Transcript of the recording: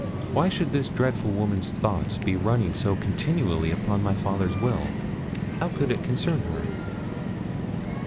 Why should this dreadful woman's thoughts be running so continually upon my father's will? How could it concern her?